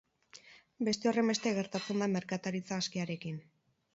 Beste horrenbeste gertatzen da merkataritza askearekin.